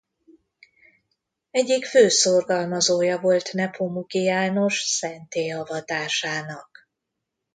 Egyik fő szorgalmazója volt Nepomuki János szentté avatásának.